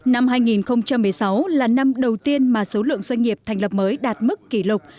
năm hai nghìn một mươi sáu là năm đầu tiên mà số lượng doanh nghiệp thành lập mới đạt mức kỷ lục